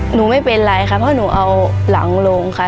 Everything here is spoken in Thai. หนูไม่เป็นไรค่ะเพราะหนูเอาหลังโรงค่ะ